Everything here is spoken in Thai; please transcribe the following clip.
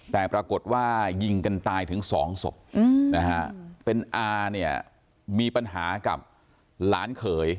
แต่ปรากฏว่ายิงกันตายถึงสองศพนะฮะเป็นอาเนี่ยมีปัญหากับหลานเขย